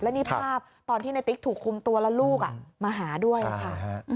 นี่ภาพตอนที่ในติ๊กถูกคุมตัวแล้วลูกมาหาด้วยค่ะ